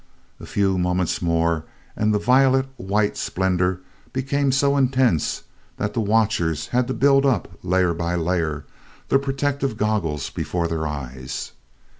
A few moments more and the violet white splendor became so intense that the watchers began to build up, layer by layer, the protective goggles before their eyes.